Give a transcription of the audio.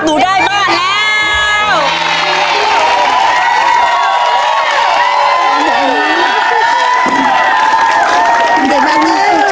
หนูได้บ้านแล้ว